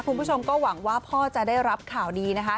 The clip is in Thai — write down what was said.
คุณผู้ชมก็หวังว่าพ่อจะได้รับข่าวดีนะคะ